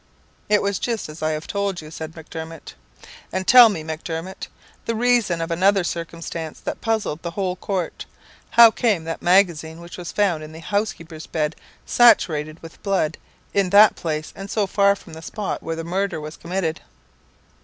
"It was just as I have told you," said Macdermot. "And tell me, Macdermot, the reason of another circumstance that puzzled the whole court. How came that magazine, which was found in the housekeeper's bed saturated with blood, in that place, and so far from the spot where the murder was committed?"